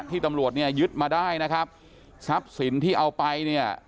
ตำรวจเนี่ยยึดมาได้นะครับทรัพย์สินที่เอาไปเนี่ย